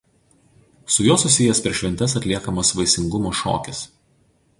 Su juo susijęs per šventes atliekamas vaisingumo šokis.